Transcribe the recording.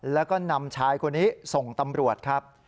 แล้วก็นำชายคนนี้ส่งตำรวจครับ